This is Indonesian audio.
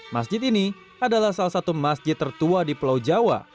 masjid ini adalah salah satu masjid tertua di pulau jawa